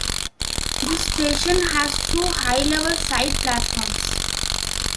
This station has two high-level side platforms.